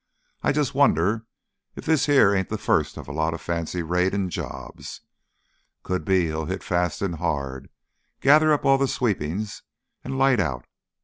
I jus' wonder if this here ain't th' first of a lot of fancy raidin' jobs. Could be he'll hit fast an' hard, gather up all th' sweepin's an' light out.